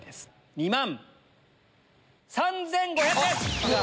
２万３５００円！